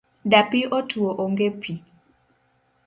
Dapi otuo onge pi .